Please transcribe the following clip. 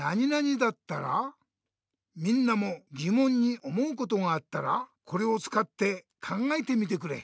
みんなもぎもんに思うことがあったらこれをつかって考えてみてくれ。